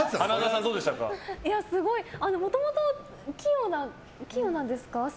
もともと器用なんですか？